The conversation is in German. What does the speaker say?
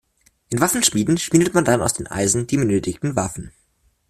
In Waffenschmieden schmiedet man dann aus dem Eisen die benötigten Waffen.